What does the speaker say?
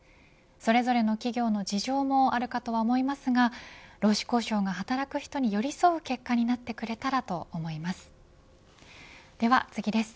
それぞれの企業の事情もあるかとは思いますが労使交渉が働く人に寄り添う結果になってくれたらと思います。